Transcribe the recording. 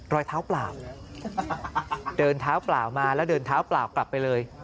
รอยเท้าเปล่าเดินเท้าเปล่ามาแล้วเดินเท้าเปล่ากลับไปเลย